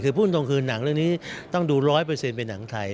คือพูดตรงคืนหนังเรื่องนี้ต้องดูร้อยเปอร์เซ็นต์เป็นหนังไทย